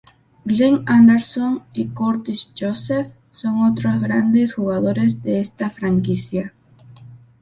Glenn Anderson y Curtis Joseph son otros grandes jugadores de esta franquicia.